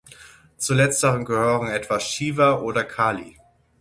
Zu letzteren gehören etwa Shiva oder Kali.